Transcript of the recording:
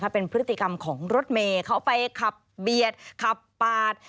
เป็นพฤติกรรมของรถเมย์เขาไปขับเบียดขับปาด